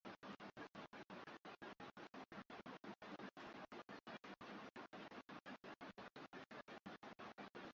Tanzania Afrika Ushawishi wake wa mapema wakati alikuwa shule ya msingi alikuwa sugu kabisa